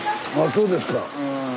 そうですか。